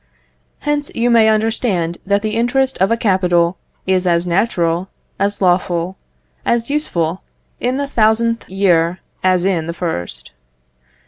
Hence you may understand that the interest of a capital is as natural, as lawful, as useful, in the thousandth year, as in the first.